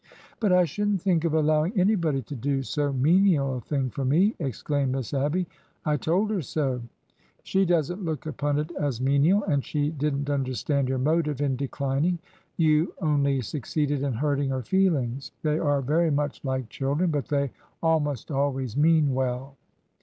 " But I should n't think of allowing anybody to do so WEIGHED IN THE BALANCE 29 menial a thing for me !'' exclaimed Miss Abby. '' I told her so/^ She does n't look upon it as menial. And she did n't understand your motive in declining. You only suc ceeded in hurting her feelings. They are very much like children, but they almost always mean well."